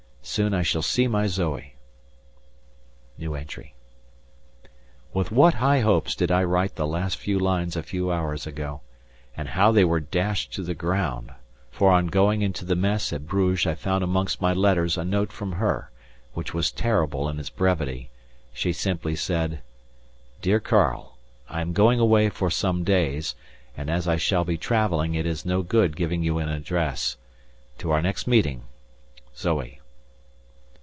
Soon I shall see my Zoe! With what high hopes did I write the last few lines a few hours ago, and how they were dashed to the ground, for on going into the Mess at Bruges I found amongst my letters a note from her, which was terrible in its brevity. She simply said: "DEAR KARL, "I am going away for some days, and as I shall be travelling it is no good giving you an address. To our next meeting! "ZOE."